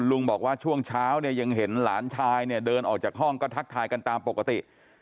ลุงบอกว่าช่วงเช้าเนี่ยยังเห็นหลานชายเนี่ยเดินออกจากห้องก็ทักทายกันตามปกติ